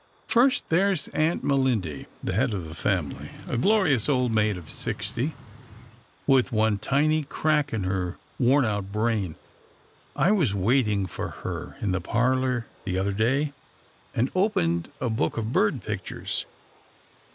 " First, there's Aunt Melindy, the head of the family — a glorious old maid of sixty, with one tiny crack in her worn out brain. I was waiting for her in the parlour the other day, and opened a book of bird pictures.